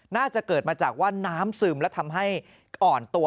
น่าจะเกิดมาจากว่าน้ำซึมและทำให้อ่อนตัว